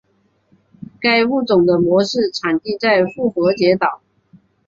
该物种的模式产地在复活节岛。